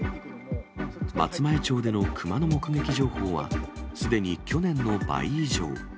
松前町でのクマの目撃情報は、すでに去年の倍以上。